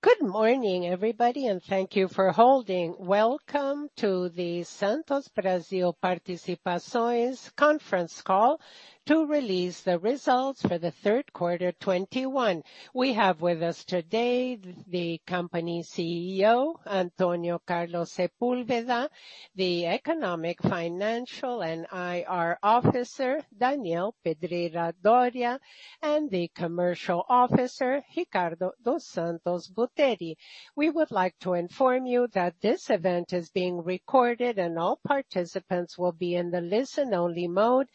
Good morning, everybody, and thank you for holding. Welcome to the Santos Brasil Participações conference call to release the results for the third quarter 2021. We have with us today the company CEO, Antônio Carlos Sepúlveda, the economic, financial, and IR officer, Daniel Pedreira Doria, and the commercial officer, Ricardo dos Santos Botteri. We would like to inform you that this event is being recorded and all participants will be in the listen-only mode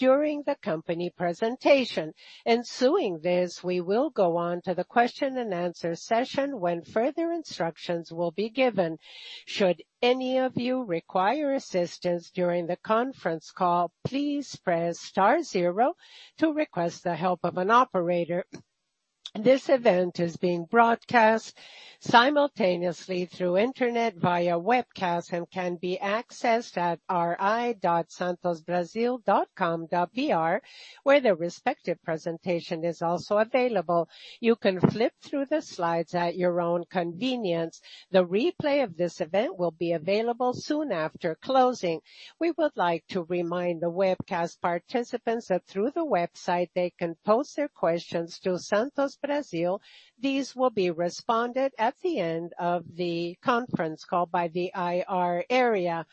during the company presentation. Following this, we will go on to the question and answer session when further instructions will be given. Should any of you require assistance during the conference call, please press star zero to request the help of an operator. This event is being broadcast simultaneously through internet via webcast and can be accessed at ri.santosbrasil.com.br, where the respective presentation is also available. You can flip through the slides at your own convenience. The replay of this event will be available soon after closing. We would like to remind the webcast participants that through the website they can pose their questions to Santos Brasil. These will be responded at the end of the conference call by the IR area.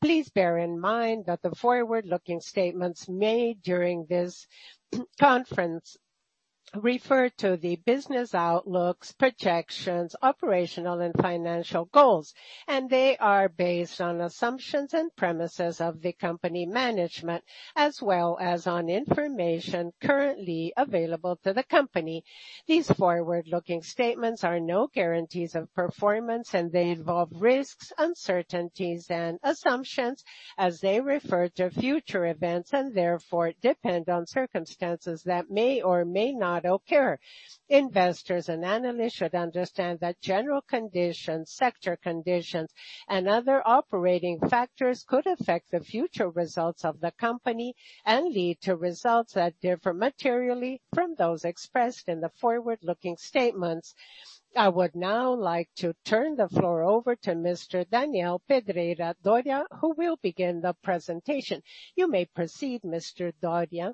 Please bear in mind that the forward-looking statements made during this conference refer to the business outlooks, projections, operational and financial goals, and they are based on assumptions and premises of the company management, as well as on information currently available to the company. These forward-looking statements are no guarantees of performance, and they involve risks, uncertainties, and assumptions as they refer to future events and therefore depend on circumstances that may or may not occur. Investors and analysts should understand that general conditions, sector conditions, and other operating factors could affect the future results of the company and lead to results that differ materially from those expressed in the forward-looking statements. I would now like to turn the floor over to Mr. Daniel Pedreira Doria, who will begin the presentation. You may proceed, Mr. Doria.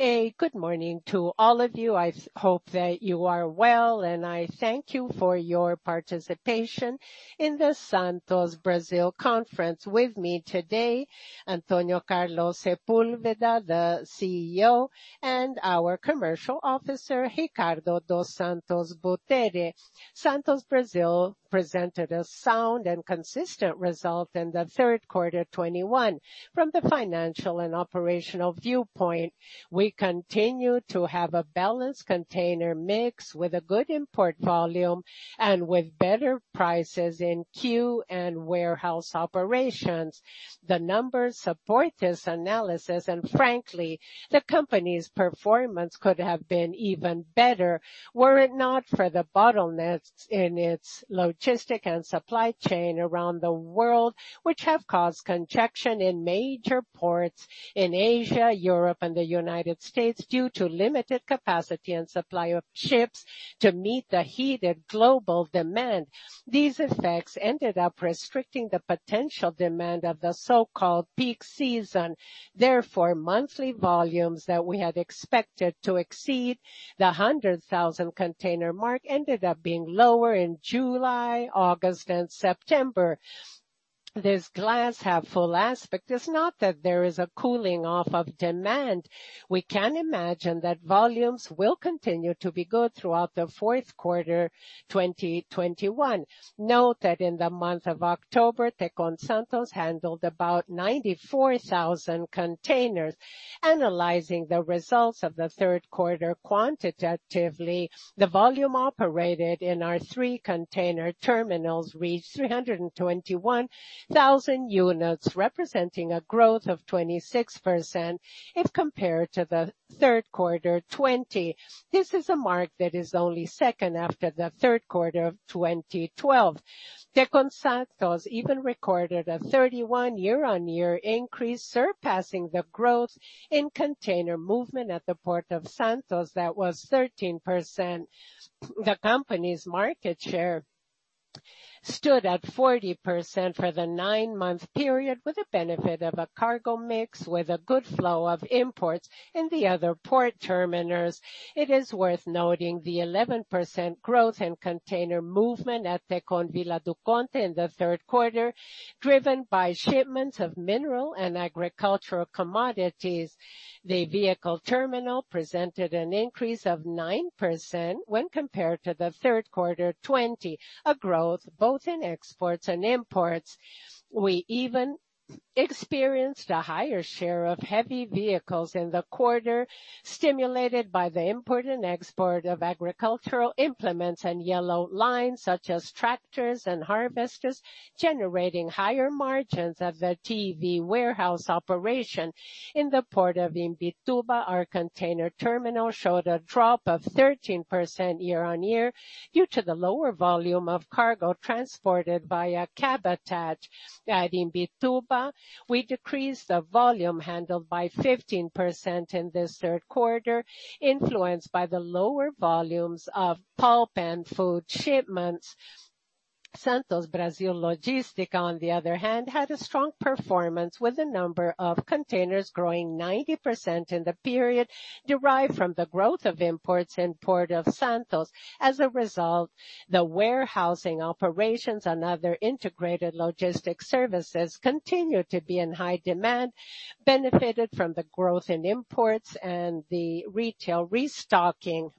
A good morning to all of you. I hope that you are well, and I thank you for your participation in the Santos Brasil conference. With me today, Antônio Carlos Sepúlveda, the CEO, and our commercial officer, Ricardo dos Santos Buteri. Santos Brasil presented a sound and consistent result in the third quarter 2021. From the financial and operational viewpoint, we continue to have a balanced container mix with a good import volume and with better prices in queue and warehouse operations. The numbers support this analysis, and frankly, the company's performance could have been even better were it not for the bottlenecks in its logistic and supply chain around the world, which have caused congestion in major ports in Asia, Europe, and the United States due to limited capacity and supply of ships to meet the heated global demand. These effects ended up restricting the potential demand of the so-called peak season. Therefore, monthly volumes that we had expected to exceed the 100,000 container mark ended up being lower in July, August, and September. This glass half full aspect is not that there is a cooling off of demand. We can imagine that volumes will continue to be good throughout the fourth quarter 2021. Note that in the month of October, Tecon Santos handled about 94,000 containers. Analyzing the results of the third quarter quantitatively, the volume operated in our three container terminals reached 321,000 units, representing a growth of 26% if compared to the third quarter 2020. This is a mark that is only second after the third quarter of 2012. Tecon Santos even recorded a 31% year-on-year increase, surpassing the growth in container movement at the Port of Santos. That was 13%. The company's market share stood at 40% for the nine-month period, with the benefit of a cargo mix with a good flow of imports in the other port terminals. It is worth noting the 11% growth in container movement at Tecon Vila do Conde in the third quarter, driven by shipments of mineral and agricultural commodities. The vehicle terminal presented an increase of 9% when compared to the third quarter 2020, a growth both in exports and imports. We even experienced a higher share of heavy vehicles in the quarter, stimulated by the import and export of agricultural implements and yellow lines such as tractors and harvesters, generating higher margins at the TEV warehouse operation. In the Port of Imbituba our container terminal showed a drop of 13% year-on-year due to the lower volume of cargo transported via Cabotagem. At Imbituba, we decreased the volume handled by 15% in this third quarter, influenced by the lower volumes of pulp and food shipments. Santos Brasil Logística, on the other hand, had a strong performance with the number of containers growing 90% in the period derived from the growth of imports in Port of Santos. As a result, the warehousing operations and other integrated logistic services continued to be in high demand, benefited from the growth in imports and the retail restocking.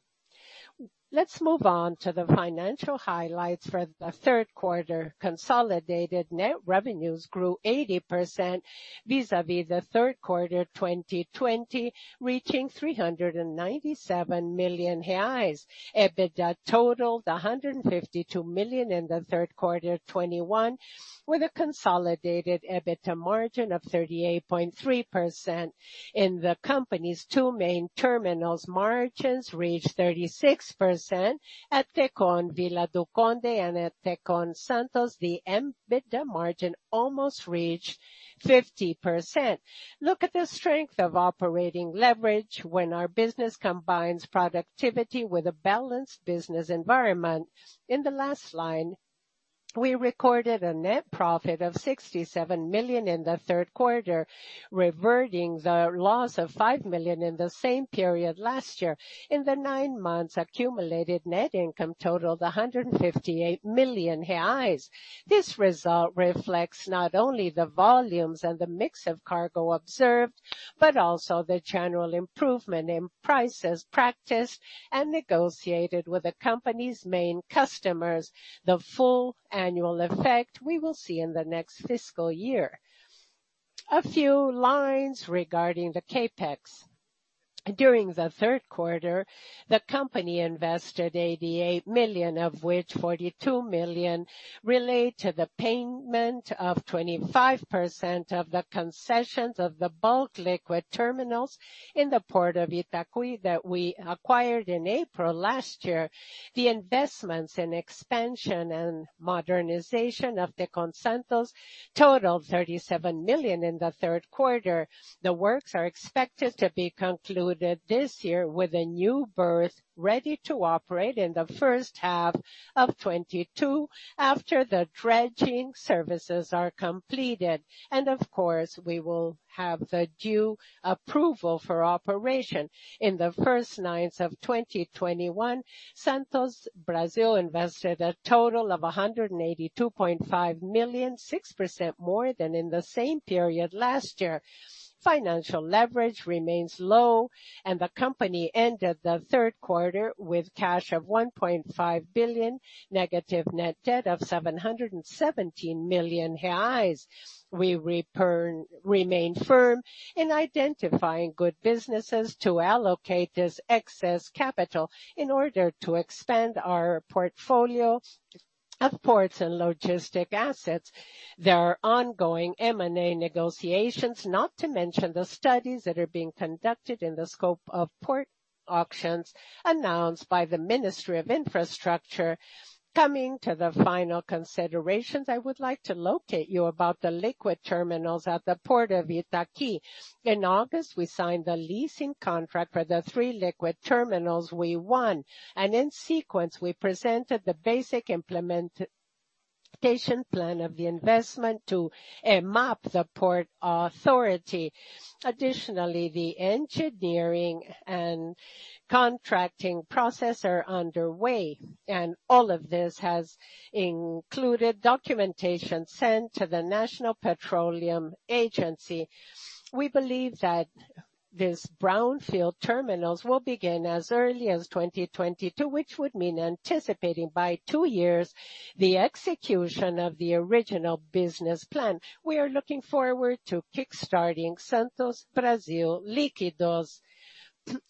Let's move on to the financial highlights for the third quarter. Consolidated net revenues grew 80% vis-à-vis the third quarter 2020, reaching 397 million reais. EBITDA totaled 152 million in the third quarter 2021, with a consolidated EBITDA margin of 38.3%. In the company's two main terminals, margins reached 36%. At Tecon Vila do Conde and at Tecon Santos, the EBITDA margin almost reached 50%. Look at the strength of operating leverage when our business combines productivity with a balanced business environment. In the last line, we recorded a net profit of 67 million in the third quarter, reverting the loss of 5 million in the same period last year. In the nine months accumulated net income totaled 158 million reais. This result reflects not only the volumes and the mix of cargo observed, but also the general improvement in prices practiced and negotiated with the company's main customers. The full annual effect we will see in the next fiscal year. A few lines regarding the CapEx. During the third quarter, the company invested 88 million, of which 42 million relate to the payment of 25% of the concessions of the bulk liquid terminals in the Port of Itaqui that we acquired in April last year. The investments in expansion and modernization of Tecon Santos totaled 37 million in the third quarter. The works are expected to be concluded this year with a new berth ready to operate in the first half of 2022 after the dredging services are completed. Of course, we will have the due approval for operation. In the first nine months of 2021, Santos Brasil invested a total of 182.5 million, 6% more than in the same period last year. Financial leverage remains low, and the company ended the third quarter with cash of 1.5 billion negative net debt of 717 million reais. We remain firm in identifying good businesses to allocate this excess capital in order to expand our portfolio of ports and logistics assets. There are ongoing M&A negotiations, not to mention the studies that are being conducted in the scope of port auctions announced by the Ministry of Infrastructure. Coming to the final considerations, I would like to update you about the liquid terminals at the Port of Itaqui. In August, we signed a leasing contract for the three liquid terminals we won, and in sequence, we presented the basic implementation plan of the investment to EMAP, the Port Authority. Additionally, the engineering and contracting process are underway, and all of this has included documentation sent to the National Petroleum Agency. We believe that these brownfield terminals will begin as early as 2022, which would mean anticipating by two years the execution of the original business plan. We are looking forward to kick-starting Santos Brasil Líquidos.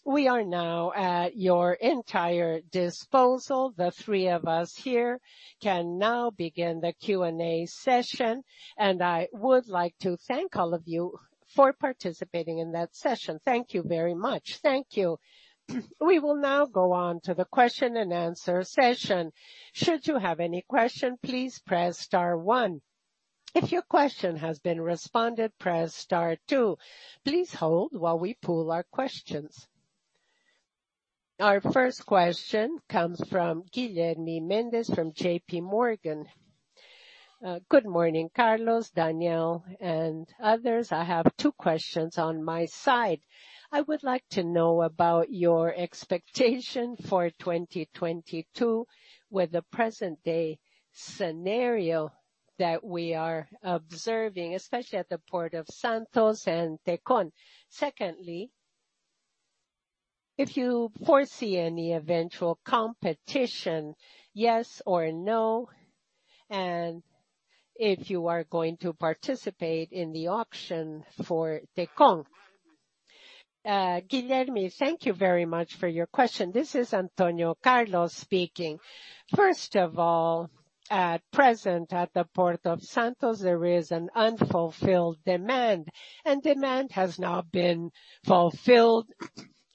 We are now at your entire disposal. The three of us here can now begin the Q&A session, and I would like to thank all of you for participating in that session. Thank you very much. Thank you. We will now go on to the question and answer session. Should you have any question, please press star one. If your question has been responded, press star two. Please hold while we pull our questions. The first question comes from Guilherme Mendes from JPMorgan. Good morning, Carlos, Daniel, and others. I have two questions on my side. I would like to know about your expectation for 2022 with the present-day scenario that we are observing, especially at the Port of Santos and Tecon. Secondly, if you foresee any eventual competition, yes or no, and if you are going to participate in the auction for Tecon. Guilherme, thank you very much for your question. This is Antônio Carlos speaking. First of all, at present, at the Port of Santos, there is an unfulfilled demand, and demand has now been fulfilled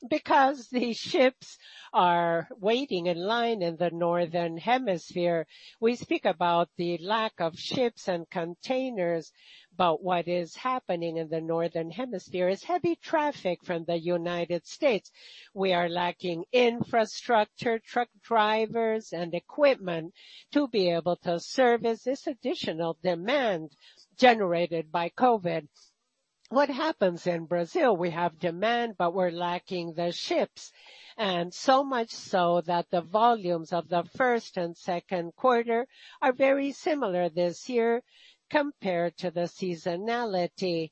because the ships are waiting in line in the Northern Hemisphere. We speak about the lack of ships and containers, but what is happening in the Northern Hemisphere is heavy traffic from the United States. We are lacking infrastructure, truck drivers, and equipment to be able to service this additional demand generated by COVID. What happens in Brazil, we have demand, but we're lacking the ships. So much so that the volumes of the first and second quarter are very similar this year compared to the seasonality.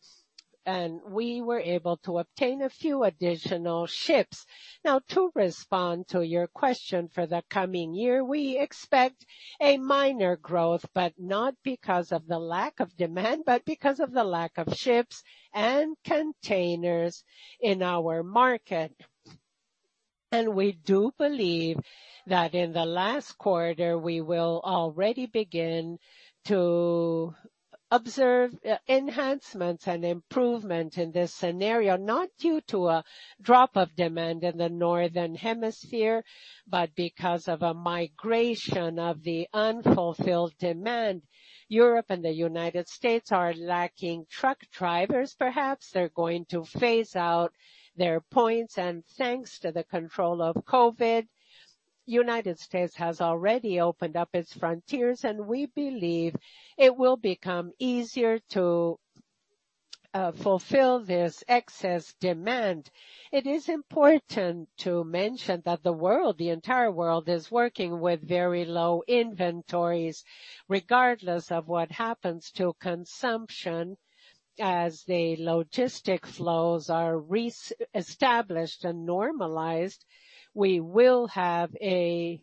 We were able to obtain a few additional ships. Now, to respond to your question, for the coming year, we expect a minor growth, but not because of the lack of demand, but because of the lack of ships and containers in our market. We do believe that in the last quarter, we will already begin to observe enhancements and improvement in this scenario, not due to a drop of demand in the northern hemisphere, but because of a migration of the unfulfilled demand. Europe and the United States are lacking truck drivers perhaps. They're going to phase out their points. Thanks to the control of COVID, United States has already opened up its frontiers, and we believe it will become easier to fulfill this excess demand. It is important to mention that the world, the entire world is working with very low inventories, regardless of what happens to consumption. As the logistics flows are re-established and normalized, we will have a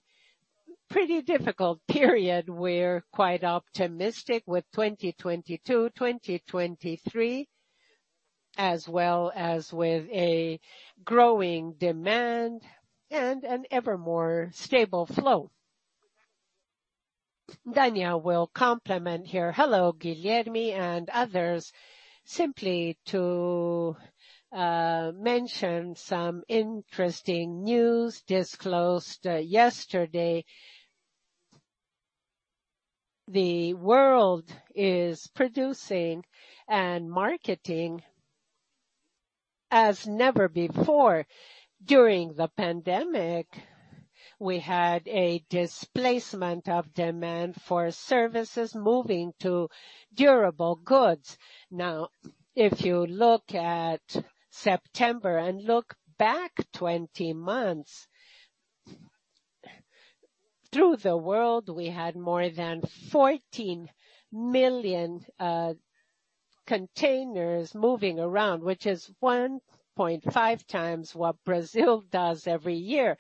pretty difficult period. We're quite optimistic with 2022, 2023, as well as with a growing demand and an evermore stable flow. Daniel will complement here. Hello, Guilherme and others. Simply to mention some interesting news disclosed yesterday. The world is producing and marketing as never before. During the pandemic, we had a displacement of demand from services moving to durable goods. Now, if you look at September and look back 20 months, throughout the world, we had more than 14 million containers moving around, which is 1.5 times what Brazil does every year.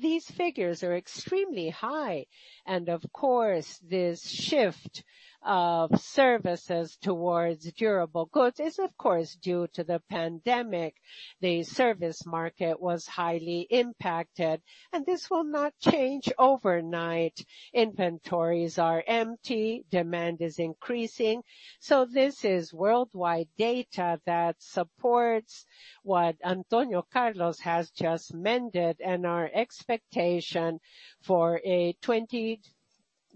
These figures are extremely high. Of course, this shift of services towards durable goods is, of course, due to the pandemic. The service market was highly impacted, and this will not change overnight. Inventories are empty, demand is increasing. This is worldwide data that supports what Antônio Carlos has just mentioned and our expectation for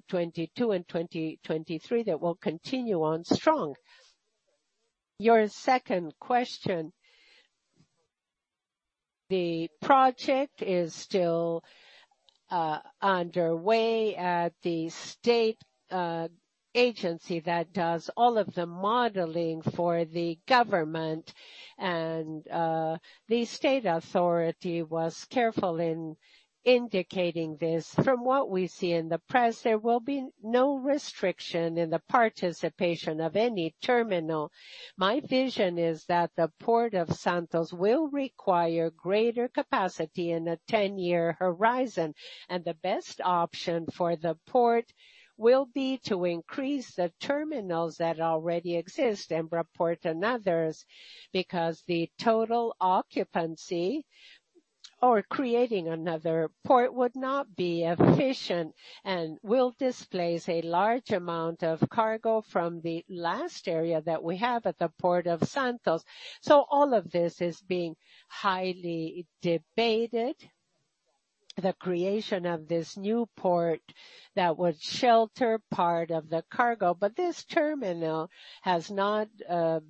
2022 and 2023 that will continue on strong. Your second question, the project is still underway at the state agency that does all of the modeling for the government. The state authority was careful in indicating this. From what we see in the press, there will be no restriction in the participation of any terminal. My vision is that the Port of Santos will require greater capacity in a 10-year horizon, and the best option for the port will be to increase the terminals that already exist in BTP and others, because the total occupancy or creating another port would not be efficient and will displace a large amount of cargo from the last area that we have at the Port of Santos. All of this is being highly debated, the creation of this new port that would shelter part of the cargo. This terminal has not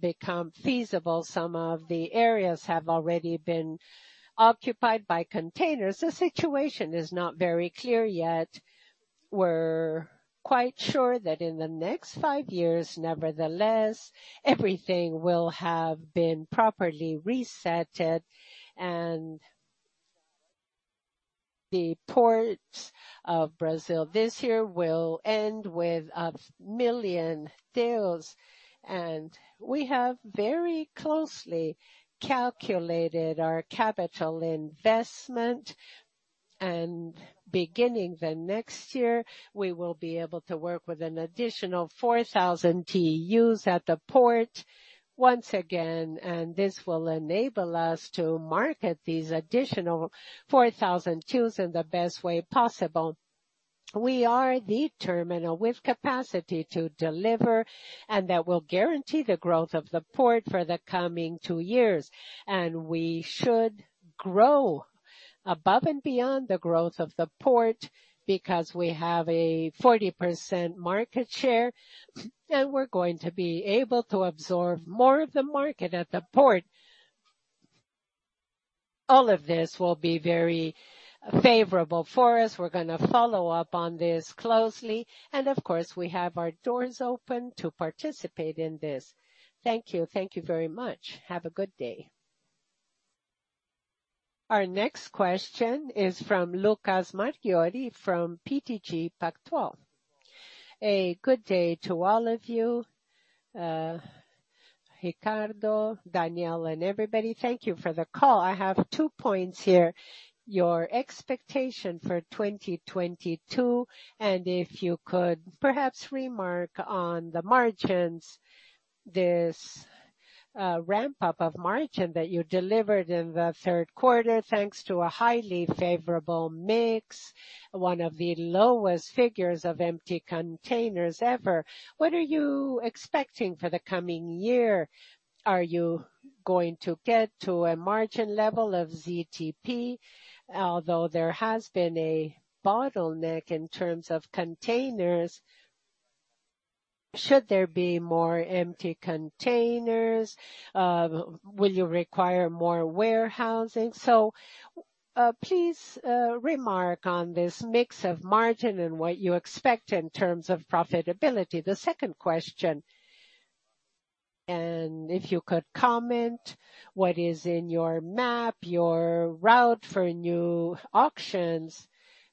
become feasible. Some of the areas have already been occupied by containers. The situation is not very clear yet. We're quite sure that in the next five years, nevertheless, everything will have been properly resettled. The ports of Brazil this year will end with a million TEUs. We have very closely calculated our capital investment. Beginning the next year, we will be able to work with an additional 4,000 TEUs at the port once again, and this will enable us to market these additional 4,000 TEUs in the best way possible. We are the terminal with capacity to deliver, and that will guarantee the growth of the port for the coming two years. We should grow above and beyond the growth of the port because we have a 40% market share, and we're going to be able to absorb more of the market at the port. All of this will be very favorable for us. We're gonna follow up on this closely, and of course, we have our doors open to participate in this. Thank you. Thank you very much. Have a good day. Our next question is from Lucas Marquiori from BTG Pactual. Good day to all of you, Ricardo, Daniel, and everybody. Thank you for the call. I have two points here, your expectation for 2022, and if you could perhaps remark on the margins, this ramp-up of margin that you delivered in the third quarter, thanks to a highly favorable mix, one of the lowest figures of empty containers ever. What are you expecting for the coming year? Are you going to get to a margin level of ZTP? Although there has been a bottleneck in terms of containers, should there be more empty containers? Will you require more warehousing? Please remark on this mix of margin and what you expect in terms of profitability. The second question, if you could comment, what is in your roadmap, your route for new auctions?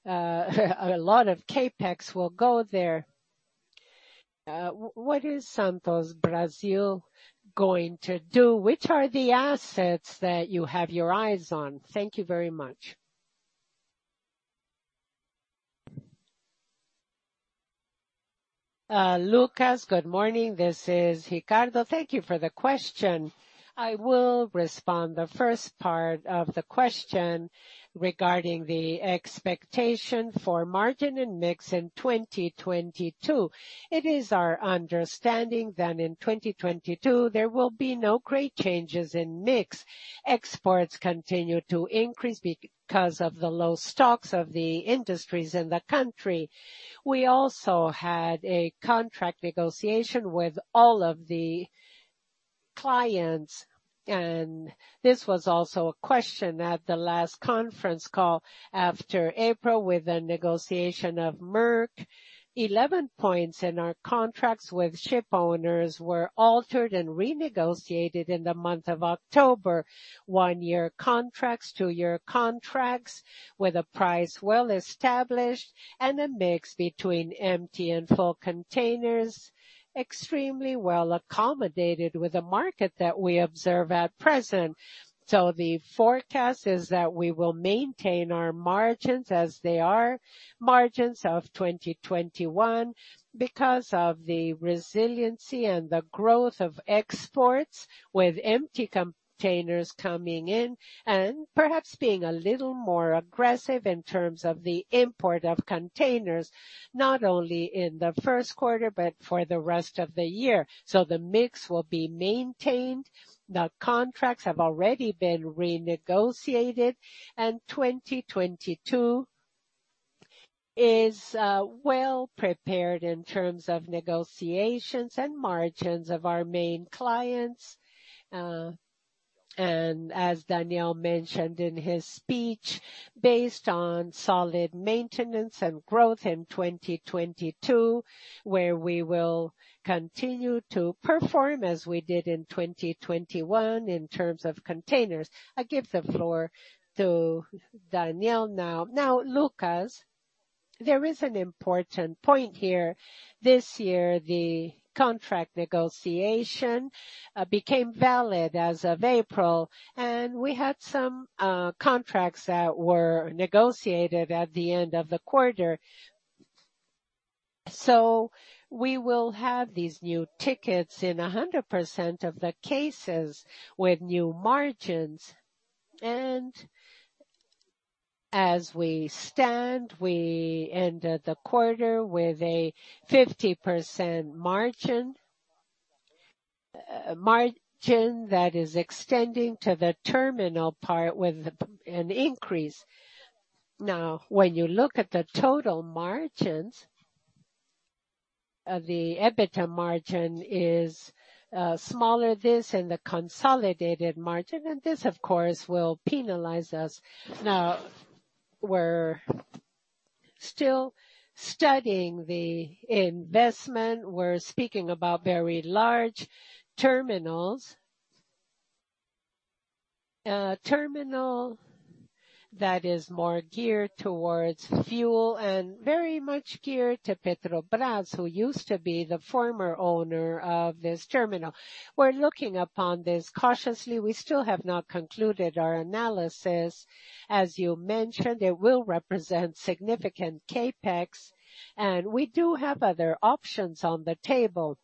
A lot of CapEx will go there. What is Santos Brasil going to do? Which are the assets that you have your eyes on? Thank you very much. Lucas, good morning. This is Ricardo. Thank you for the question. I will respond the first part of the question regarding the expectation for margin and mix in 2022. It is our understanding that in 2022 there will be no great changes in mix. Exports continue to increase because of the low stocks of the industries in the country. We also had a contract negotiation with all of the clients, and this was also a question at the last conference call after April with the negotiation of Maersk. 11 points in our contracts with ship owners were altered and renegotiated in the month of October. One-year contracts, two-year contracts with a price well established and a mix between empty and full containers, extremely well accommodated with the market that we observe at present. The forecast is that we will maintain our margins as they are, margins of 2021, because of the resiliency and the growth of exports with empty containers coming in and perhaps being a little more aggressive in terms of the import of containers, not only in the first quarter, but for the rest of the year. The mix will be maintained. The contracts have already been renegotiated, and 2022 is well-prepared in terms of negotiations and margins of our main clients. And as Daniel mentioned in his speech, based on solid maintenance and growth in 2022, where we will continue to perform as we did in 2021 in terms of containers. I give the floor to Daniel now. Now, Lucas, there is an important point here. This year, the contract negotiation became valid as of April, and we had some contracts that were negotiated at the end of the quarter. We will have these new tariffs in 100% of the cases with new margins. As we stand, we ended the quarter with a 50% margin that is extending to the terminal part with an increase. Now, when you look at the total margins, the EBITDA margin is smaller than in the consolidated margin, and this, of course, will penalize us. Now we're still studying the investment. We're speaking about very large terminals. A terminal that is more geared towards fuel and very much geared to Petrobras, who used to be the former owner of this terminal. We're looking upon this cautiously. We still have not concluded our analysis. As you mentioned, it will represent significant CapEx, and we do have other options on the table.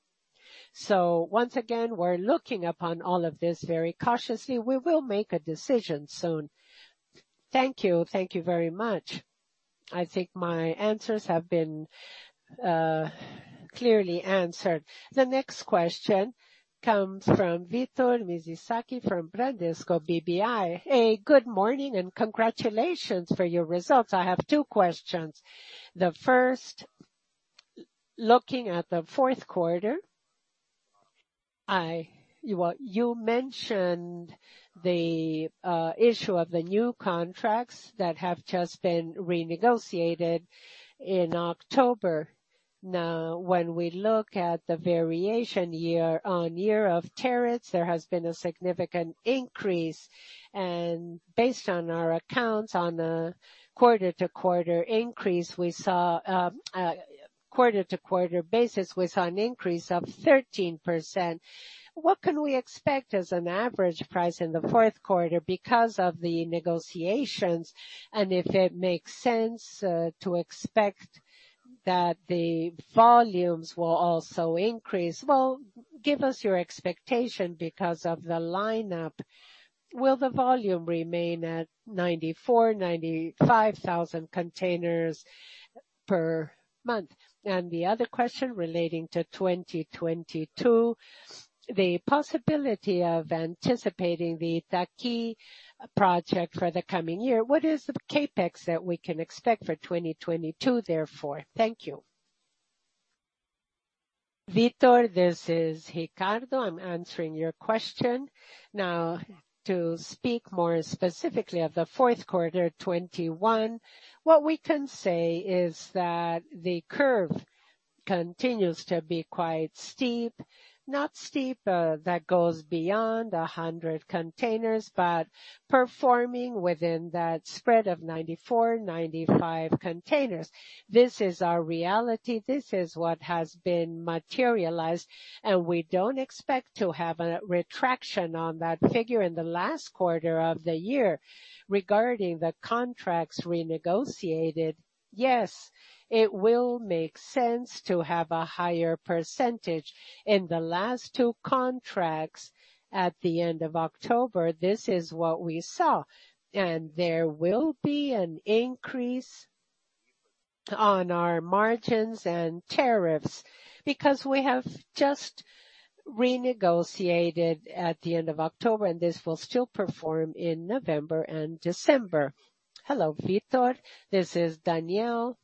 Once again, we're looking upon all of this very cautiously. We will make a decision soon. Thank you. Thank you very much. I think my answers have been clearly answered. The next question comes from Victor Mizusaki from Bradesco BBI. Good morning and congratulations for your results. I have two questions. The first, looking at the fourth quarter—well, you mentioned the issue of the new contracts that have just been renegotiated in October. Now, when we look at the variation year-on-year of tariffs, there has been a significant increase. And based on our accounts, on a quarter-to-quarter basis, we saw an increase of 13%. What can we expect as an average price in the fourth quarter because of the negotiations, and if it makes sense to expect that the volumes will also increase? Well, give us your expectation because of the line-up. Will the volume remain at 94,000-95,000 containers per month? The other question relating to 2022, the possibility of anticipating the Itaqui project for the coming year. What is the CapEx that we can expect for 2022 therefore? Thank you. Victor, this is Ricardo. I'm answering your question. Now, to speak more specifically of the fourth quarter 2021, what we can say is that the curve continues to be quite steep. Not steep that goes beyond 100 containers, but performing within that spread of ninety-four, ninety-five containers. This is our reality. This is what has been materialized, and we don't expect to have a retraction on that figure in the last quarter of the year. Regarding the contracts renegotiated, yes, it will make sense to have a higher percentage. In the last two contracts at the end of October, this is what we saw. There will be an increase on our margins and tariffs because we have just renegotiated at the end of October, and this will still perform in November and December. Hello, Vitor, this is Daniel.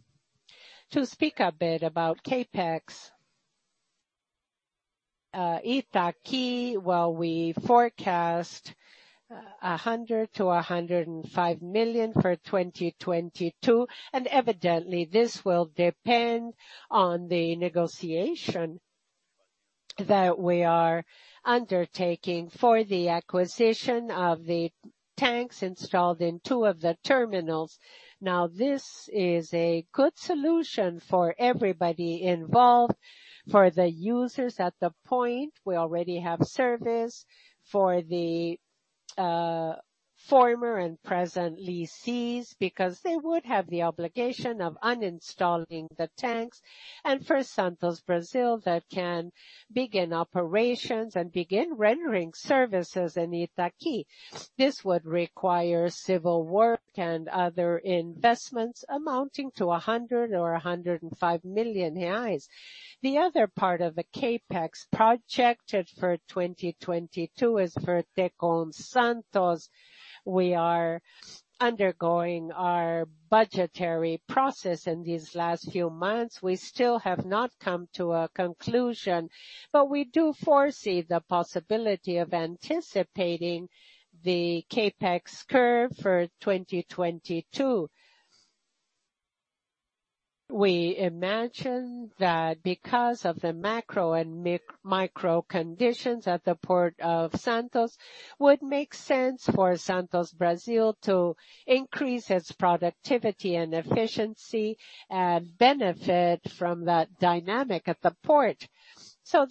To speak a bit about CapEx, Itaquí, we forecast 100-105 million for 2022, and evidently, this will depend on the negotiation that we are undertaking for the acquisition of the tanks installed in two of the terminals. This is a good solution for everybody involved, for the users at the point we already have service, for the former and present lessees, because they would have the obligation of uninstalling the tanks, and for Santos Brasil that can begin operations and begin rendering services in Itaqui. This would require civil work and other investments amounting to 100 million or 105 million reais. The other part of the CapEx projected for 2022 is for Tecon Santos. We are undergoing our budgetary process in these last few months. We still have not come to a conclusion, but we do foresee the possibility of anticipating the CapEx curve for 2022. We imagine that because of the macro and micro conditions at the Port of Santos, it would make sense for Santos Brasil to increase its productivity and efficiency and benefit from that dynamic at the port.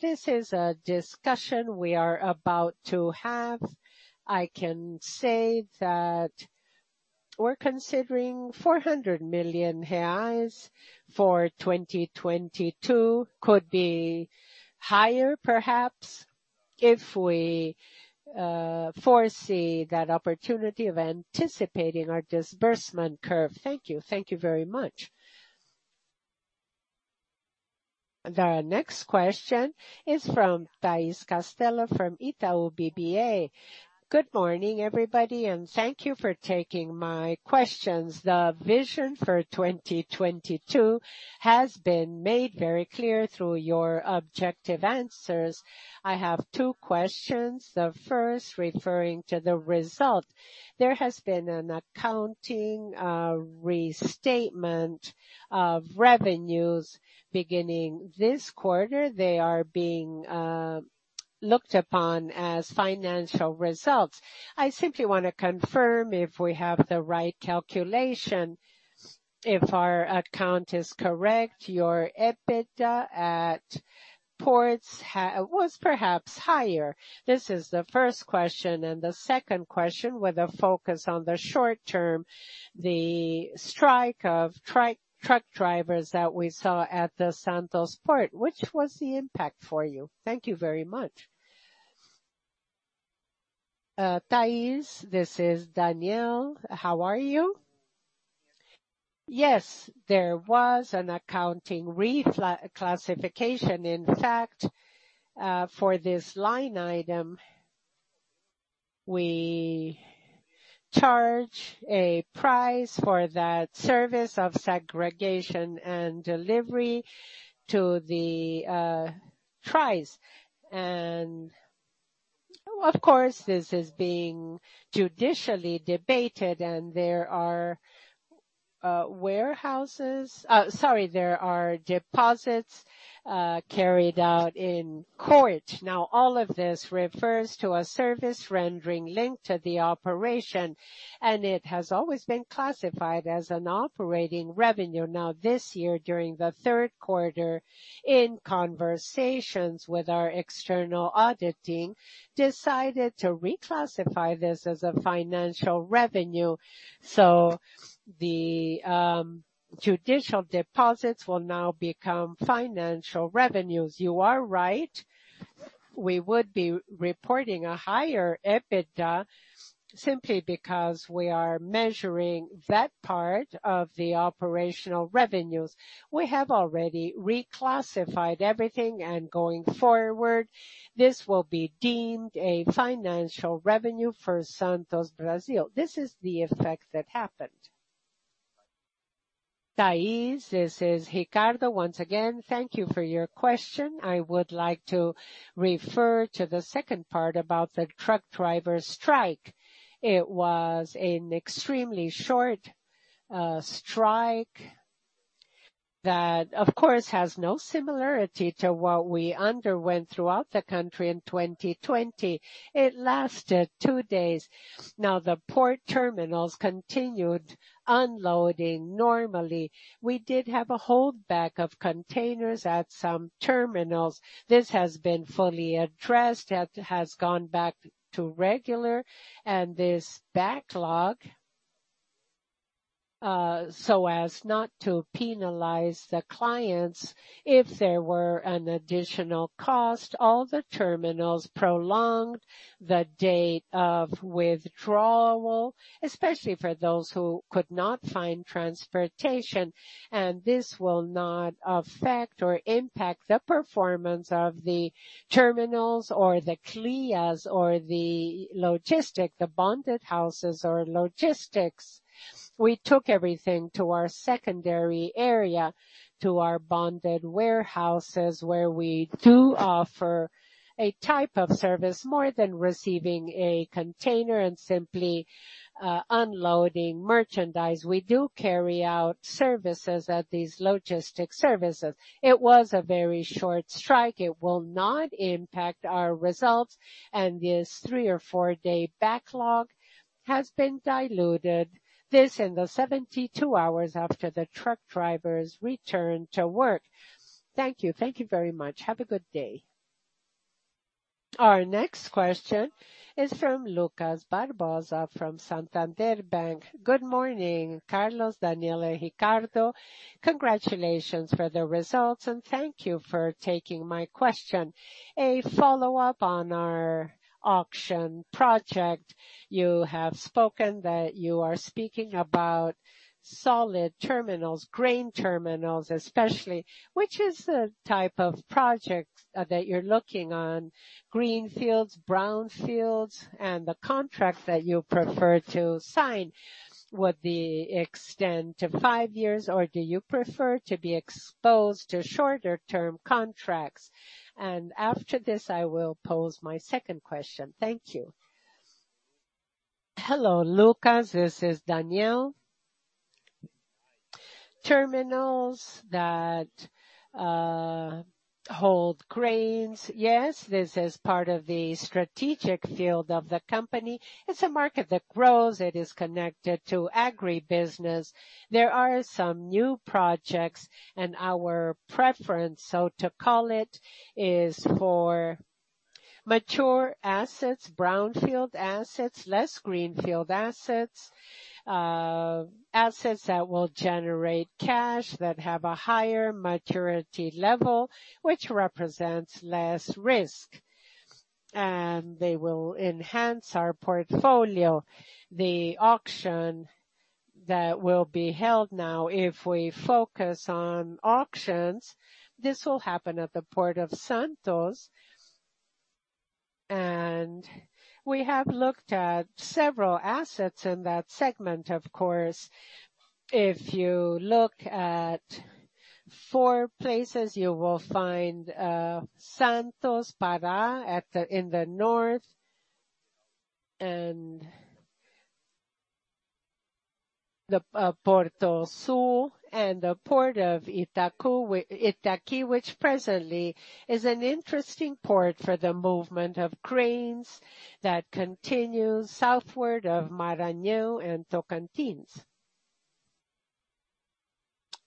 This is a discussion we are about to have. I can say that we're considering 400 million reais for 2022. Could be higher, perhaps, if we foresee that opportunity of anticipating our disbursement curve. Thank you. Thank you very much. The next question is from Thais Cascello from Itaú BBA. Good morning, everybody, and thank you for taking my questions. The vision for 2022 has been made very clear through your objective answers. I have two questions, the first referring to the result. There has been an accounting restatement of revenues beginning this quarter. They are being looked upon as financial results. I simply wanna confirm if we have the right calculation, if our account is correct, your EBITDA at ports was perhaps higher. This is the first question. The second question, with a focus on the short term, the strike of third-party truck drivers that we saw at the Port of Santos, which was the impact for you? Thank you very much. Thais, this is Daniel. How are you? Yes, there was an accounting reclassification, in fact, for this line item. We charge a price for that service of segregation and delivery to the trucks. Of course, this is being judicially debated and there are warehouses, sorry, there are deposits carried out in court. Now all of this refers to a service rendering linked to the operation, and it has always been classified as an operating revenue. This year during the third quarter, in conversations with our external audit team decided to reclassify this as a financial revenue. The judicial deposits will now become financial revenues. You are right. We would be reporting a higher EBITDA simply because we are measuring that part of the operational revenues. We have already reclassified everything and going forward, this will be deemed a financial revenue for Santos Brasil. This is the effect that happened. Thais, this is Ricardo once again. Thank you for your question. I would like to refer to the second part about the truck driver strike. It was an extremely short strike that of course has no similarity to what we underwent throughout the country in 2020. It lasted two days. The port terminals continued unloading normally. We did have a holdback of containers at some terminals. This has been fully addressed. It has gone back to regular and this backlog, so as not to penalize the clients if there were an additional cost, all the terminals prolonged the date of withdrawal, especially for those who could not find transportation. This will not affect or impact the performance of the terminals or the CLIAs or the logistics, the bonded houses or logistics. We took everything to our secondary area, to our bonded warehouses, where we do offer a type of service more than receiving a container and simply unloading merchandise. We do carry out services at these logistics services. It was a very short strike. It will not impact our results, and this three or four-day backlog has been diluted in the 72 hours after the truck drivers returned to work. Thank you. Thank you very much. Have a good day. Our next question is from Lucas Barbosa from Santander. Good morning, Carlos, Daniel, Ricardo. Congratulations for the results and thank you for taking my question. A follow-up on our auction project. You have spoken that you are speaking about solid terminals, grain terminals especially. Which is the type of projects that you're looking on, green fields, brown fields, and the contract that you prefer to sign, would they extend to five years or do you prefer to be exposed to shorter term contracts? After this I will pose my second question. Thank you. Hello Lucas, this is Daniel. Terminals that hold grains. Yes, this is part of the strategic field of the company. It's a market that grows. It is connected to agribusiness. There are some new projects and our preference, so to call it, is for mature assets, brownfield assets, less greenfield assets that will generate cash that have a higher maturity level which represents less risk. They will enhance our portfolio. The auction that will be held now, if we focus on auctions, this will happen at the Port of Santos. We have looked at several assets in that segment of course. If you look at four places, you will find Santarém, Pará in the north and the Porto do Açu and the Port of Itaqui which presently is an interesting port for the movement of grains that continues southward of Maranhão and Tocantins.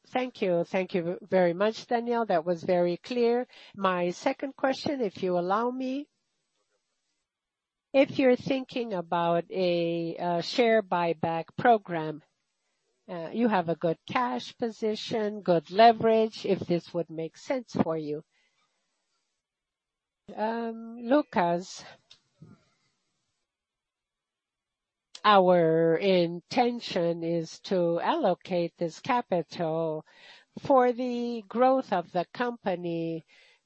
Thank you. Thank you very much, Daniel. That was very clear. My second question, if you allow me. If you're thinking about a share buyback program, you have a good cash position, good leverage, if this would make sense for you. Lucas. Our intention is to allocate this capital for the growth of the company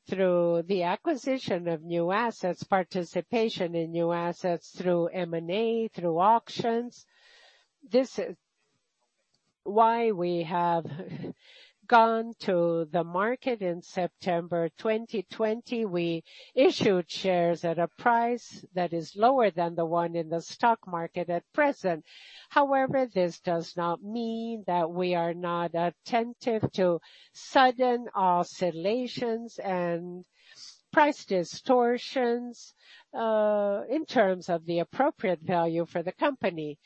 through the acquisition of new assets, participation in new assets through M&A, through auctions. This is why we have gone to the market in September 2020. We issued shares at a price that is lower than the one in the stock market at present. However, this does not mean that we are not attentive to sudden oscillations and price distortions in terms of the appropriate value for the company.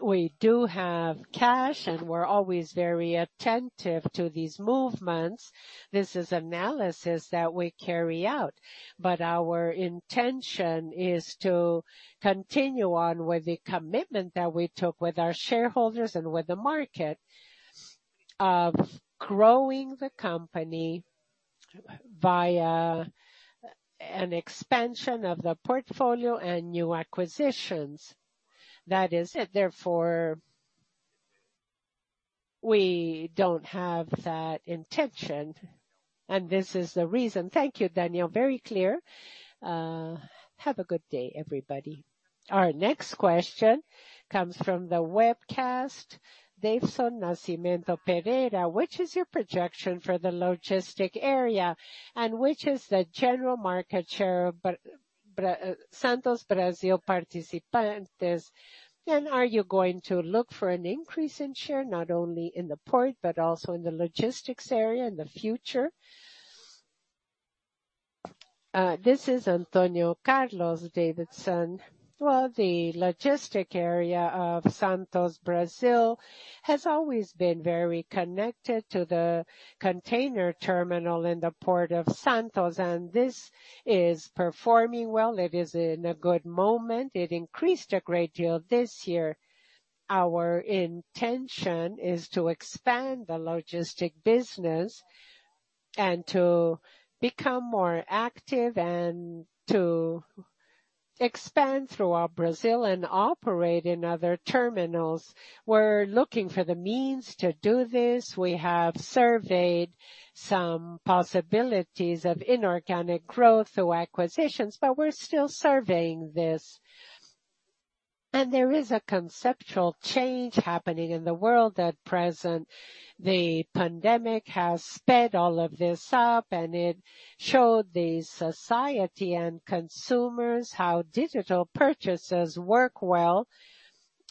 We do have cash, and we're always very attentive to these movements. This is analysis that we carry out. Our intention is to continue on with the commitment that we took with our shareholders and with the market of growing the company via an expansion of the portfolio and new acquisitions. That is it. Therefore, we don't have that intention, and this is the reason. Thank you, Daniel. Very clear. Have a good day, everybody. Our next question comes from the webcast. Davidson Nascimento Pereira. Which is your projection for the logistic area, and which is the general market share of Santos Brasil Participações? And are you going to look for an increase in share, not only in the port, but also in the logistics area in the future? This is Antonio Carlos. Well, the logistic area of Santos Brasil has always been very connected to the container terminal in the Port of Santos, and this is performing well. It is in a good moment. It increased a great deal this year. Our intention is to expand the logistics business and to become more active and to expand throughout Brazil and operate in other terminals. We're looking for the means to do this. We have surveyed some possibilities of inorganic growth through acquisitions, but we're still surveying this. There is a conceptual change happening in the world at present. The pandemic has sped all of this up, and it showed the society and consumers how digital purchases work well,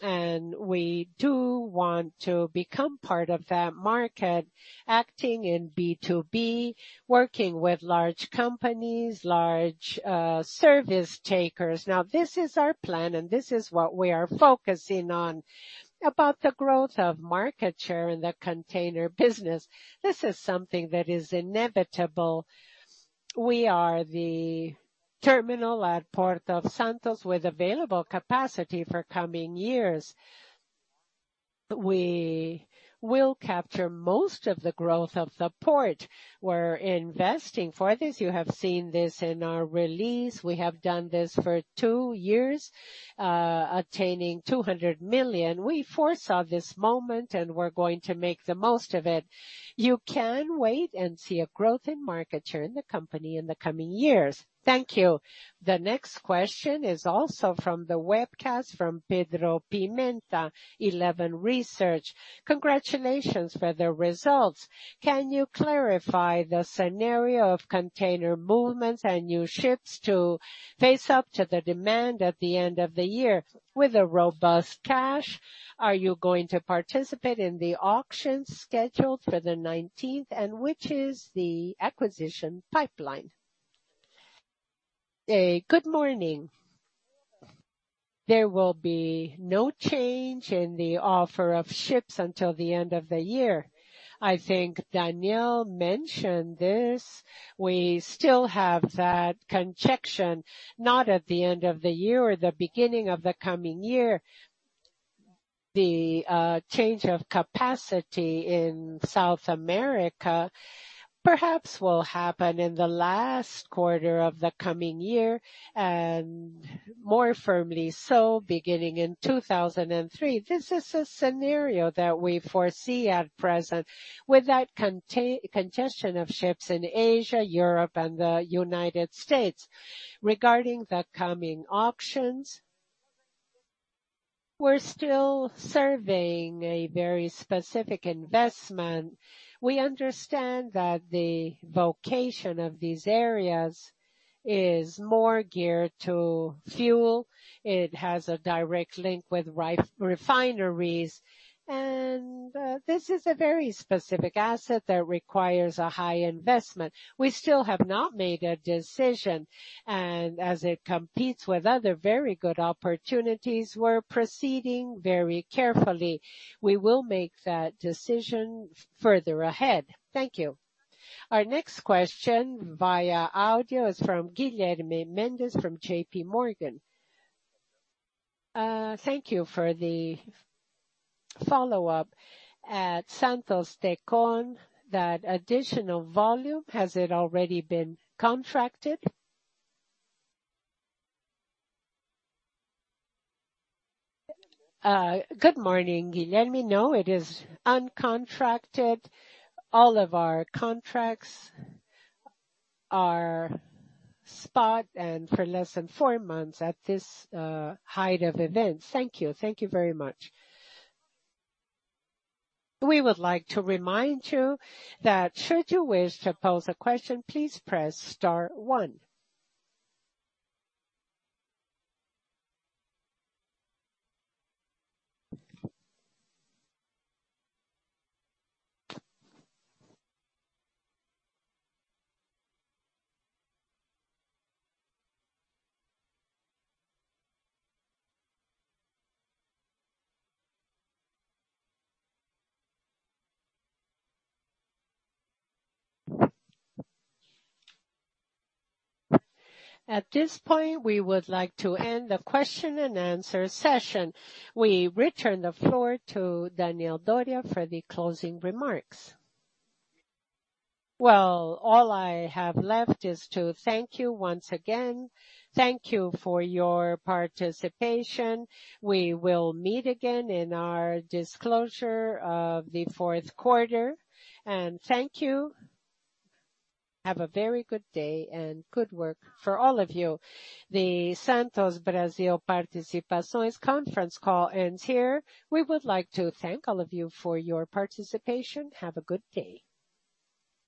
and we do want to become part of that market, acting in B2B, working with large companies, large service takers. Now, this is our plan, and this is what we are focusing on. About the growth of market share in the container business, this is something that is inevitable. We are the terminal at Port of Santos with available capacity for coming years. We will capture most of the growth of the port. We're investing for this. You have seen this in our release. We have done this for two years, attaining 200 million. We foresaw this moment, and we're going to make the most of it. You can wait and see a growth in market share in the company in the coming years. Thank you. The next question is also from the webcast from Pedro Pimenta, Eleven Research. Congratulations for the results. Can you clarify the scenario of container movements and new ships to face up to the demand at the end of the year? With a robust cash, are you going to participate in the auction scheduled for the nineteenth, and which is the acquisition pipeline? Good morning. There will be no change in the offer of ships until the end of the year. I think Daniel mentioned this. We still have that congestion, not at the end of the year or the beginning of the coming year. The change of capacity in South America perhaps will happen in the last quarter of the coming year and more firmly so beginning in 2003. This is a scenario that we foresee at present with that container congestion of ships in Asia, Europe, and the United States. Regarding the coming auctions, we're still surveying a very specific investment. We understand that the vocation of these areas is more geared to fuel. It has a direct link with refineries. This is a very specific asset that requires a high investment. We still have not made a decision, and as it competes with other very good opportunities, we're proceeding very carefully. We will make that decision further ahead. Thank you. Our next question via audio is from Guilherme Mendes from JPMorgan. Thank you for the follow-up. At Tecon Santos, that additional volume, has it already been contracted? Good morning, Guilherme. No, it is uncontracted. All of our contracts are spot and for less than four months at this height of events. Thank you. Thank you very much. We would like to remind you that should you wish to pose a question, please press star one. At this point, we would like to end the question and answer session. We return the floor to Daniel Doria for the closing remarks. Well, all I have left is to thank you once again. Thank you for your participation. We will meet again in our disclosure of the fourth quarter. Thank you. Have a very good day and good work for all of you. The Santos Brasil Participações conference call ends here. We would like to thank all of you for your participation. Have a good day.